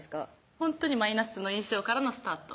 ほんとにマイナスの印象からのスタート